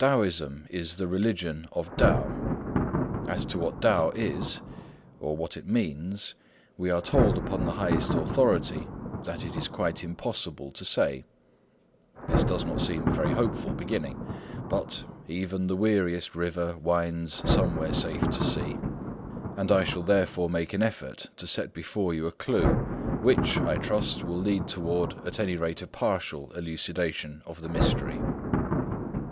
Taoism is the religion of Tao; as to what Tao is, or what it means, we are told upon the highest authority that it is quite impossible to say. This does not seem a very hopeful beginning; but "even the weariest river Winds somewhere safe to sea," and I shall therefore make an effort to set before you a clue, which, I trust, will lead toward at any rate a partial elucidation of the mystery.